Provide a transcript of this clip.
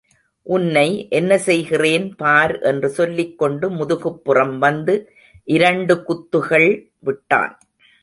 உன்னை என்ன செய்கிறேன் பார் என்று சொல்லிக் கொண்டு முதுகுப் புறம் வந்து இரண்டு குத்துகள் விட்டான்.